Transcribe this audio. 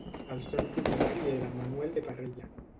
El seu propietari era Manuel de Parrella.